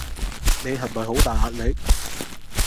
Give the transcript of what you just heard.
你係咪好大壓力？